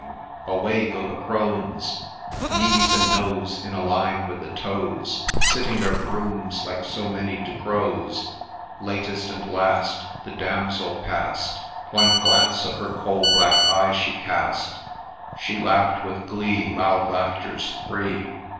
— Away go the crones, Knees and nose in a line with the toes, Sitting their brooms like BO many Ducrows ; Latest and last, The damsel pass'd, One glance of her coal black eye she cast ; She laugh'd with glee loud laughters three.